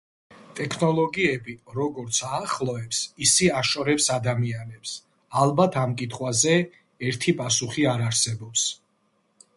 ტექნოლოგიები როგორც აახლოებს ისე აშორებს ადამიანებს ალბათ ამ კითხვაზე ერთი პასუხი არ არსებობს